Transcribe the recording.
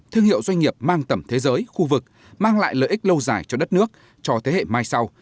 thương hiệu doanh nghiệp mang tầm thế giới khu vực mang lại lợi ích lâu dài cho đất nước cho thế hệ mai sau